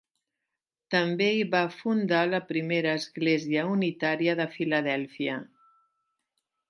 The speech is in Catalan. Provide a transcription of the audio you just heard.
També hi va fundar la Primera església unitària de Filadèlfia.